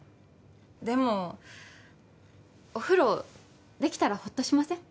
でもお風呂出来たらホッとしません？